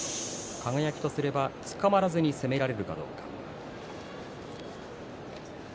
輝とすれば、つかまらずに攻められるかどうか。